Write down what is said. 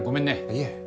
いえ。